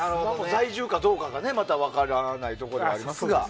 在住かどうかが分からないものではありますが。